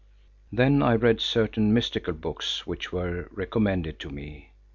Then I read certain mystical books which were recommended to me.